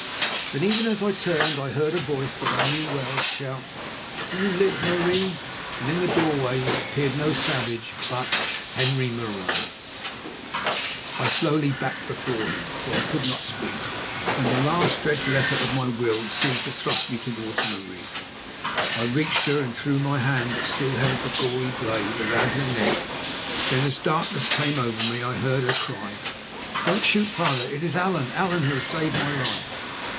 But even as I turned I heard a voice that I knew well shout: "Do you live, Marie?" and in the doorway appeared no savage, but Henri Marais. Slowly I backed before him, for I could not speak, and the last dreadful effort of my will seemed to thrust me towards Marie. I reached her and threw my hand that still held the gory blade round her neck. Then as darkness came over me I heard her cry: "Don't shoot, father. It is Allan, Allan who has saved my life!"